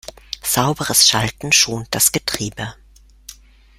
Sauberes Schalten schont das Getriebe.